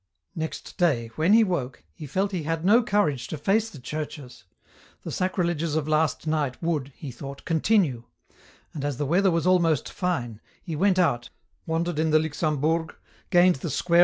Next day, when he woke, he felt he had no courage to face the churches ; the sacrileges of last night would, he thought, continue ; and as the weather was almost fine, he went out, wandered in the Luxembourg, gained the square EN ROUTE.